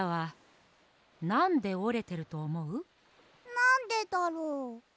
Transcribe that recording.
なんでだろう？